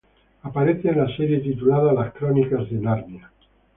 Aparece en la serie titulada "Las Crónicas de Narnia".